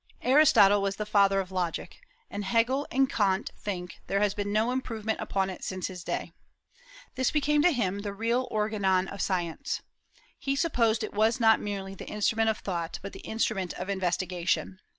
Aristotle was the father of logic, and Hegel and Kant think there has been no improvement upon it since his day. This became to him the real organon of science. "He supposed it was not merely the instrument of thought, but the instrument of investigation."